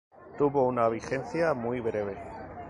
Tuvo una vigencia muy breve.